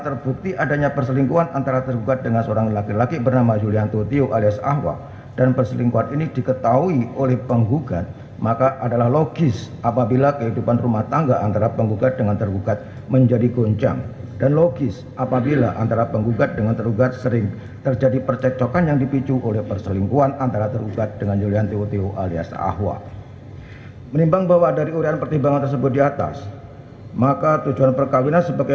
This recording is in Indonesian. pertama penggugat akan menerjakan waktu yang cukup untuk menerjakan si anak anak tersebut yang telah menjadi ilustrasi